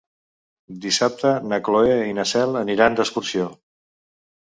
Dissabte na Cloè i na Cel aniran d'excursió.